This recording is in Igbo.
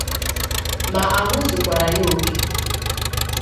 ma ahụ zùkwàrà ya oke